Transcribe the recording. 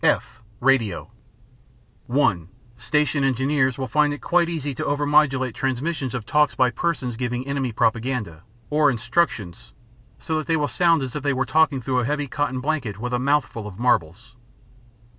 (f) Radio (1) Station engineers will find it quite easy to overmodulate transmissions of talks by persons giving enemy propaganda or instructions, so that they will sound as if they were talking through a heavy cotton blanket with a mouth full of marbles.